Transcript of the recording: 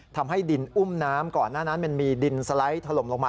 ทำให้ดินอุ้มน้ำก่อนหน้านั้นมันมีดินสไลด์ถล่มลงมา